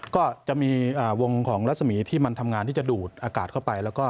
ก็จะมีวงของรัศมีที่มันทำงานที่จะดูดอากาศเข้าไปแล้วก็